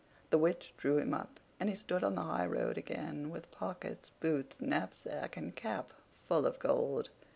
The Witch drew him up, and he stood on the high road again, with pockets, boots, knapsack, and cap full of gold.